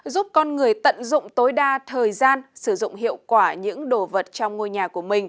giúp con người tận dụng tối đa thời gian sử dụng hiệu quả những đồ vật trong ngôi nhà